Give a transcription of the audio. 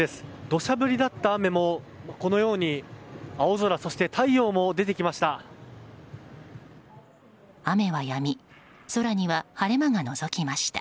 土砂降りだった雨もこのように青空太陽も出てきました。